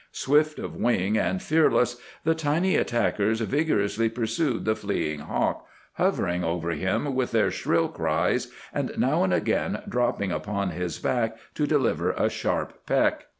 Swift of wing and fearless, the tiny attackers vigorously pursued the fleeing hawk, hovering over him with their shrill cries, and now and again dropping upon his back to deliver a sharp peck.